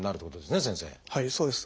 はいそうです。